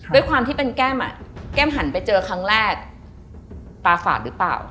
ด้วยความที่เป็นแก้มแก้มหันไปเจอครั้งแรกตาฝาดหรือเปล่า